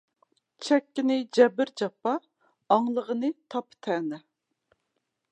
چەككىنى جەبىر-جاپا، ئاڭلىغىنى تەنە-تاپا.